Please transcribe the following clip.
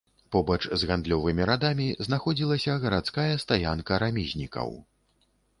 Побач з гандлёвымі радамі знаходзілася гарадская стаянка рамізнікаў.